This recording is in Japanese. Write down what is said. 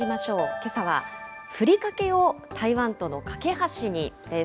けさは、ふりかけを台湾との懸け橋にです。